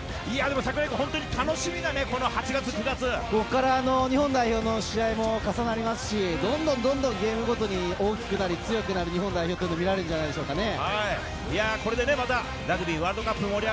櫻井君、本当に楽しみだね、日本代表の試合も重なりますし、どんどんゲームごとに大きくなり、強くなる日本代表を見られるんじゃないですかね。